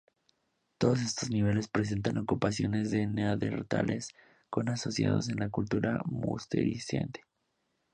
Todos estos niveles presentan ocupaciones de neandertales, con asociaciones de la cultura musteriense.